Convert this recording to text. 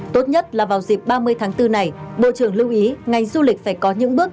tốt nhất là vào dịp ba mươi tháng bốn này bộ trưởng lưu ý ngành du lịch phải có những bước